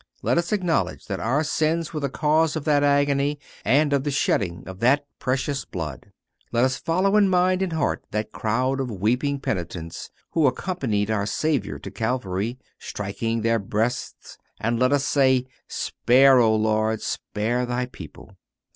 Let us acknowledge that our sins were the cause of that agony and of the shedding of that precious blood. Let us follow in mind and heart that crowd of weeping penitents who accompanied our Savior to Calvary, striking their breasts, and let us say: "Spare, O Lord, spare Thy people."